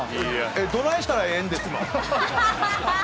どないしたらええんですの？